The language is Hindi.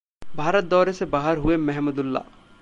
भारत दौरे से बाहर हुए महमुदुल्लाह